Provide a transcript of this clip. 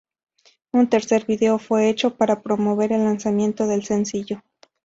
Un tercer vídeo fue hecho para promover el lanzamiento del sencillo.